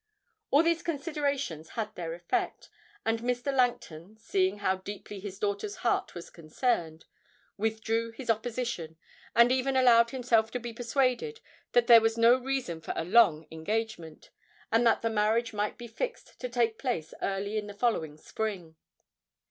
All these considerations had their effect, and Mr. Langton, seeing how deeply his daughter's heart was concerned, withdrew his opposition, and even allowed himself to be persuaded that there was no reason for a long engagement, and that the marriage might be fixed to take place early in the following spring.